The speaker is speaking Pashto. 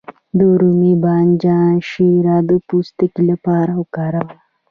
د رومي بانجان شیره د پوستکي لپاره وکاروئ